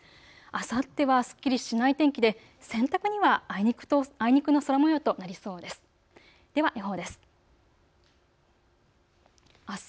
あさってはすっきりしない天気で洗濯にはあいにくの空もようとなりそうです。